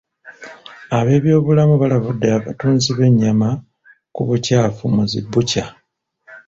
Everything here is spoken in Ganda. Ab'ebyobulamu balabudde abatunzi b'ennyama ku bukyafu mu zi bbucca.